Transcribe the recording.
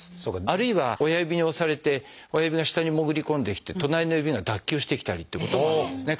あるいは親指に押されて親指の下に潜り込んできて隣の指が脱臼してきたりってこともあるんですね